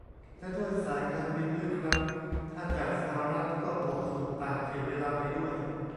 และด้วยสายการบินด้วยครับ ถ้าจากสหรัฐก็บวกส่วนต่างเขตเวลาไปด้วย